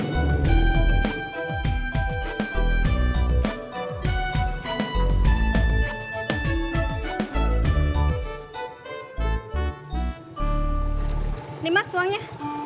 ini mas uangnya